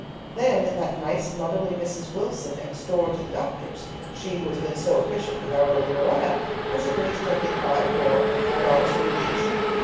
Then that nice motherly Mrs. Wilson, next door to the doctor's, she who has been so efficient with our little Loretta, has agreed to take in five more at four dollars a week each.